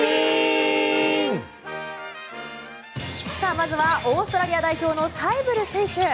まずはオーストラリア代表のサイブル選手。